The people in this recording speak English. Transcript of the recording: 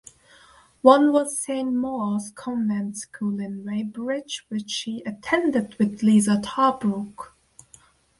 One was Saint Maur's Convent School in Weybridge, which she attended with Liza Tarbuck.